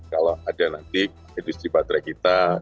kalau ada nanti industri baterai kita